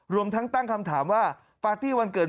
รวมทั้งตั้งคำถามว่าปาร์ตี้วันเกิด